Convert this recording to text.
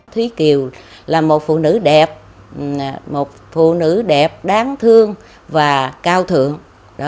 thúy kiều là một phụ nữ đẹp một phụ nữ đẹp đáng thương và cao thượng